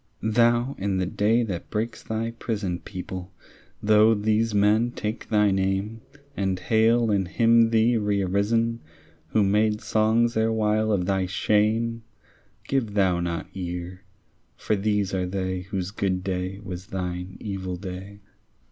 Thou, in the day that breaks thy prison, People, though these men take thy name, And hail and hymn thee rearisen, Who made songs erewhile of thy shame, Give thou not ear; for these are they Whose good day was thine evil day.